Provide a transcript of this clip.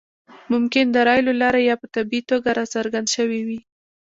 ممکن د رایو له لارې یا په طبیعي توګه راڅرګند شوی وي.